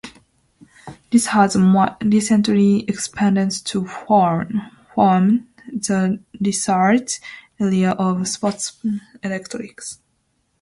This has more recently expanded to form the research area of spontelectrics.